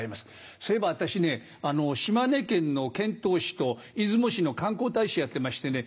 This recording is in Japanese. そういえば私ね島根県の遣島使と出雲市の観光大使やってましてね。